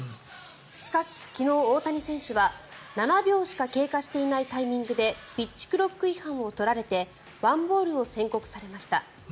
しかし、昨日、大谷選手は７秒しか経過していないタイミングでピッチクロック違反を取られて１ボールを宣告されました。